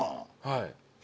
はい。